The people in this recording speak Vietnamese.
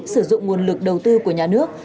sử dụng nguồn lực đầu tư của nhà nước